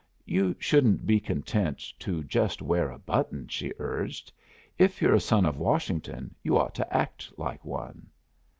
"You shouldn't be content to just wear a button," she urged. "If you're a Son of Washington, you ought to act like one."